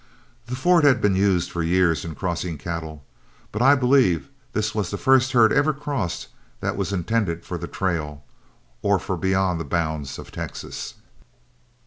This ford had been in use for years in crossing cattle, but I believe this was the first herd ever crossed that was intended for the trail, or for beyond the bounds of Texas.